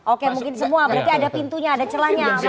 oke mungkin semua berarti ada pintunya ada celahnya